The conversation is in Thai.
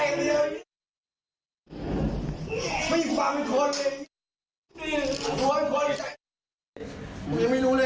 หน้ามึงไหม